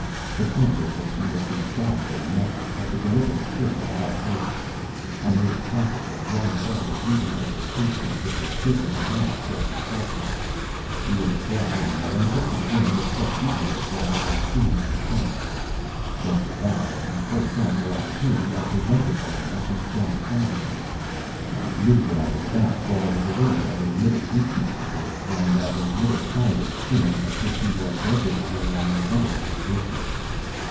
The point was that she was to stop for nothing, but to deliver the stick in all haste. I made a practice of running away and leaving her to chase me, with the stick in her mouth, till she caught me. She was a bright animal, and took to the game with such eagerness that I was soon content. After that, at the first casual opportunity, I presented Bellona to John Claverhouse. I knew what I was about, for I was aware of a little weakness of his, and of a little private sinning of which he was regularly and inveterately guilty.